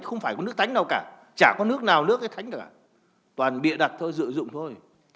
không phải có nước thánh đâu cả chả có nước nào nước thánh đâu cả toàn địa đặc thôi dự dụng thôi